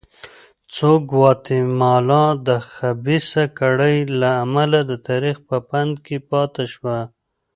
خو ګواتیمالا د خبیثه کړۍ له امله د تاریخ په بند کې پاتې شوه.